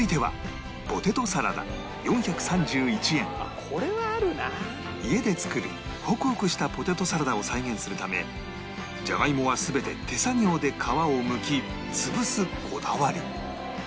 続いては家で作るホクホクしたポテトサラダを再現するためじゃがいもは全て手作業で皮をむき潰すこだわり